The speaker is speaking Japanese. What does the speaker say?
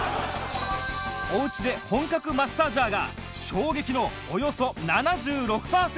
おうちで本格マッサージャーが衝撃のおよそ７６パーセントオフ